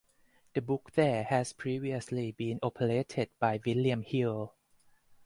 The book there had previously been operated by William Hill.